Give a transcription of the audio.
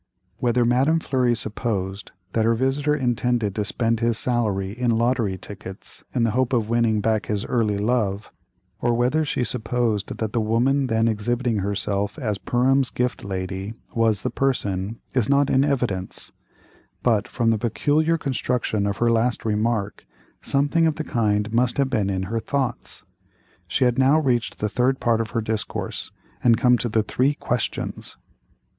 Whether Madame Fleury supposed that her visitor intended to spend his salary in lottery tickets, in the hope of winning back his early love, or whether she supposed that the woman then exhibiting herself as "Perham's Gift Lady," was the person, is not in evidence; but, from the peculiar construction of her last remark, something of the kind must have been in her thoughts. She had now reached the third part of her discourse, and come to the "three questions."